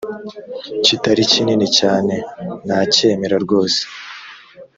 kitari kinini cyane nakemera rwose